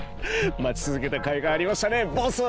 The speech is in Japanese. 待ちつづけたかいがありましたねボス！